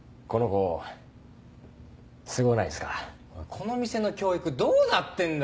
この店の教育どうなってんだよ。